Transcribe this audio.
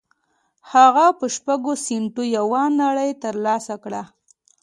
هغه په شپږو سينټو يوه نړۍ تر لاسه کړه.